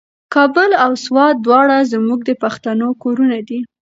کابل او سوات دواړه زموږ د پښتنو کورونه دي.